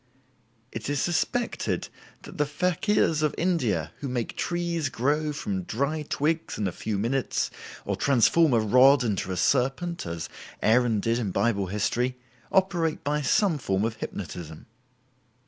It is suspected that the fakirs of India who make trees grow from dry twigs in a few minutes, or transform a rod into a serpent (as Aaron did in Bible history), operate by some form of hypnotism.